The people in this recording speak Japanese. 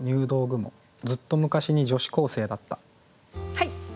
はい！